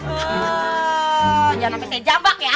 jangan sampai saya jabak ya